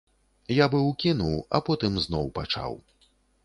Я быў кінуў, а потым зноў пачаў.